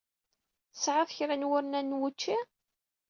Tesɛiḍ kra n wurnan n wučči?